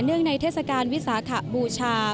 เนื่องในเทศกาลวิสาขาบูชา